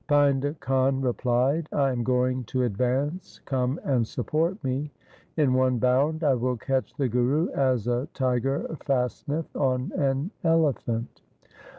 Painda Khan replied, ' I am going to advance ; come and support me. In one bound I will catch the Guru as a tiger fasteneth on an elephant.'